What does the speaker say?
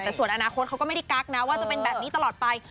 แต่ส่วนอนาคตเขาก็ไม่ได้กักนะว่าจะเป็นแบบนี้ตลอดไป